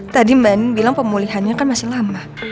tadi mba nien bilang pemulihannya kan masih lama